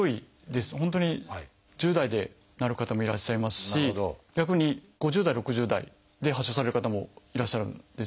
本当に１０代でなる方もいらっしゃいますし逆に５０代６０代で発症される方もいらっしゃるんですね。